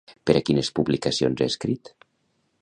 Per a quines publicacions ha escrit?